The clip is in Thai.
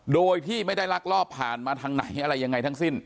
โดยที่ไม่ได้ลักลอบผ่านมาทางไหนอะไรยังไงทั้งสิ้น